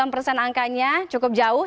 dua puluh sembilan persen angkanya cukup jauh